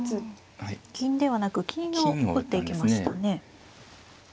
銀ではなく金を打っていきましたね。